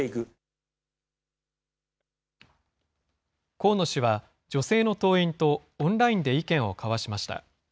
河野氏は、女性の党員とオンラインで意見を交わしました。